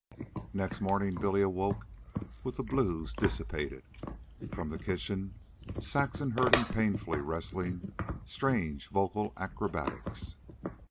Next morning Billy awoke with his blues dissipated. From the kitchen Saxon heard him painfully wrestling strange vocal acrobatics.